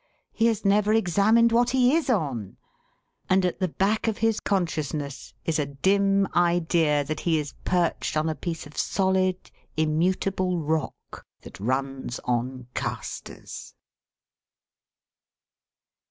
He has never examined what he is on. And at the back of his consciousness is a dim idea that he is perched on a piece of solid, immutable rock that runs on castors.